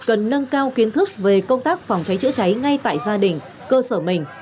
cần nâng cao kiến thức về công tác phòng cháy chữa cháy ngay tại gia đình cơ sở mình